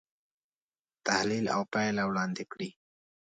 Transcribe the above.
تحلیل او پایله وړاندې کړي.